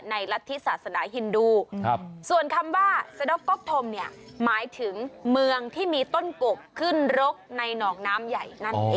ในลัทธิสาสนาฮินดูส่วนคำว่าสะดอกก๊อกธมหมายถึงเมืองที่มีต้นกบขึ้นรกในนอกน้ำใหญ่